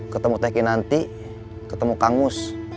ketemu teki nanti ketemu kang mus